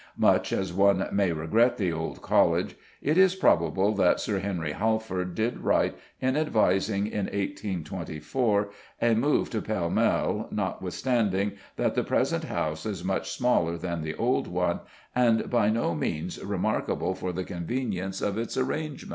Much as one may regret the old College, it is probable that Sir Henry Halford did right in advising in 1824 a move to Pall Mall, notwithstanding that the present house is much smaller than the old one, and by no means remarkable for the convenience of its arrangement.